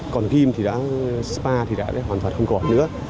còn kim thì đã spa thì đã hoàn toàn không còn nữa